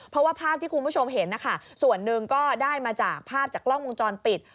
เพราะว่าภาพที่คุณผู้ชมเห็นนะคะส่วนหนึ่งก็ได้มาจากภาพจากกล้องวงจรปิด